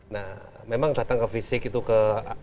nah memang datang ke fisik itu ke